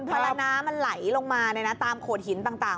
พอละน้ำมันไหลลงมาตามโขดหินต่าง